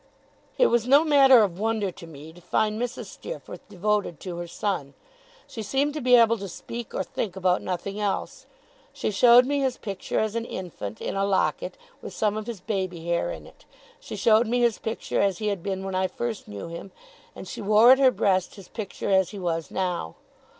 It was no matter of wonder to me to find Mrs. Steerforth devoted to her son. She seemed to be able to speak or think about nothing else. She showed me his picture as an infant, in a locket, with some of his baby hair in it; she showed me his picture as he had been when I first knew him; and she wore at her breast his picture as he was now.